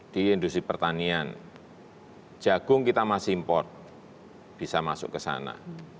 di industri pertanian jagung kita masih import bisa masuk ke sana